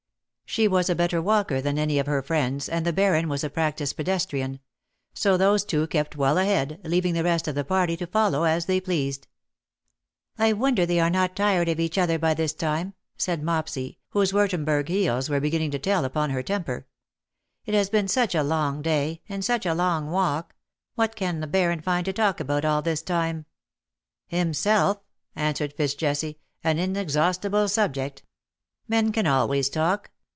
She was a better walker than any of her friends, and the Baron was a practised pedestrian ; so those two kept well ahead, leaving the rest of the party to follow as they pleased. '' I wonder they are not tired of each other by this time,^"* said Mopsy, whose Wurtemburg heels were beginning to tell upon her temper. ^^ It has been such a long day — and such a long walk. AVhat can the Baron find to talk about all this time V " Himself,^^ answered FitzJesse, ^^ an inexhaus tible subject. Men can always talk.